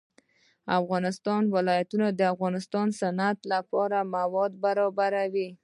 د افغانستان ولايتونه د افغانستان د صنعت لپاره مواد برابروي.